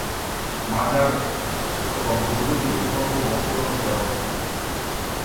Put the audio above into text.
মাজার এবং দুর্গটি অত্যন্ত বন্ধুর অঞ্চলে অবস্থিত।